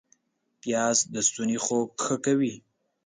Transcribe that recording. پیاز د ستوني خوږ ښه کوي